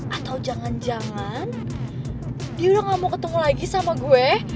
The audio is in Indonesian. atau jangan jangan dia udah gak mau ketemu lagi sama gue